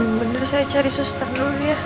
bener bener saya cari sustan dulu ya